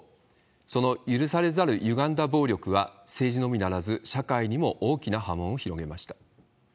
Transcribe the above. その許されざるゆがんだ暴力は、政治のみならず、社会にも大きな波紋を広げました。